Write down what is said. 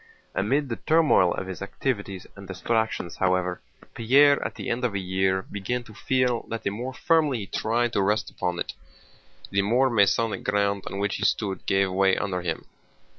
Amid the turmoil of his activities and distractions, however, Pierre at the end of a year began to feel that the more firmly he tried to rest upon it, the more Masonic ground on which he stood gave way under him.